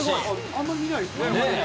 あんま見ないですよね。